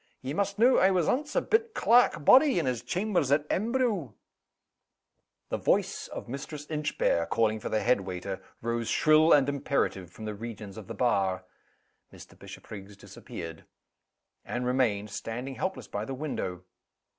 Ye must know, I was ance a bit clerk body in his chambers at Embro " The voice of Mistress Inchbare, calling for the head waiter, rose shrill and imperative from the regions of the bar. Mr. Bishopriggs disappeared. Anne remained, standing helpless by the window.